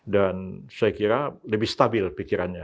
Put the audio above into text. dan saya kira lebih stabil pikirannya